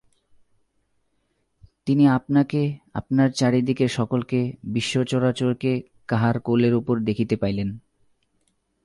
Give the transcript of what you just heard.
তিনি আপনাকে, আপনার চারি দিকের সকলকে, বিশ্বচরাচরকে কাহার কোলের উপর দেখিতে পাইলেন।